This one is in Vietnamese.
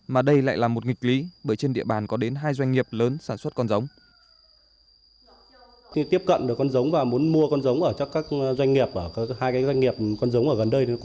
mà đây lại là một nghịch lý bởi trên địa bàn có đến hai doanh nghiệp lớn sản xuất con giống